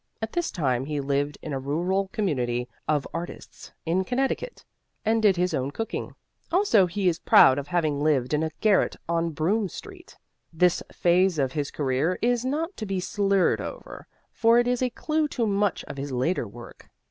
At this time he lived in a rural community of artists in Connecticut, and did his own cooking. Also, he is proud of having lived in a garret on Broome street. This phase of his career is not to be slurred over, for it is a clue to much of his later work.